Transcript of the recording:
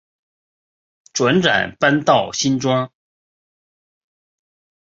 辗转搬到新庄